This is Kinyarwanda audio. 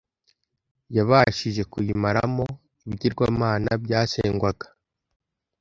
yabashije kuyimaramo ibigirwamana byasengwaga,